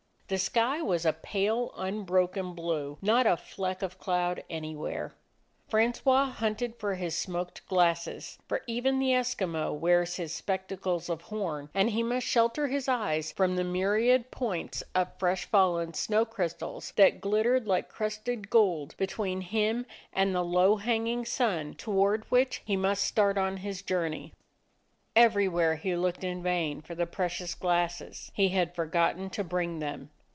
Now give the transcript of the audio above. The sky was a pale, unbroken blue; not a fleck of cloud anywhere. Fran 89 DOG HEROES OF MANY LANDS 9ois hunted for his smoked glasses, for even the Eskimo wears his spectacles of horn and he must shelter his eyes from the myriad points of fresh fallen snow crystals that glit tered like crusted gold between him and the low hanging sun, toward which he must start on his journey. Everywhere he looked in vain for the precious glasses. He had for gotten to bring them!